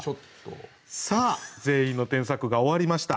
さあ全員の添削が終わりました。